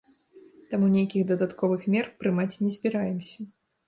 Таму нейкіх дадатковых мер прымаць не збіраемся.